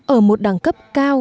ở một đẳng cấp cao